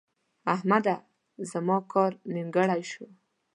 احمده! زما کار نیمګړی شو.